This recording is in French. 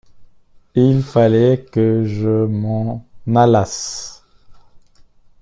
Il fallait que je m’en allasse.